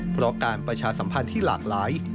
เพราะการประชาสัมพันธ์ที่หลากหลาย